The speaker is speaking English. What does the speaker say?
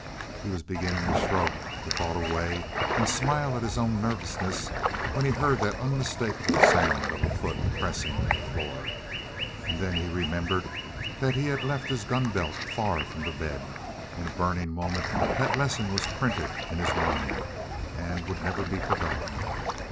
He was beginning to shrug the thought away and smile at his own nervousness, when he heard that unmistakable sound of a foot pressing the floor. And then he remembered that he had left his gun belt far from the bed. In a burning moment that lesson was printed in his mind, and would never be forgotten.